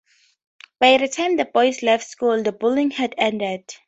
By the time the boys left school the bullying had ended.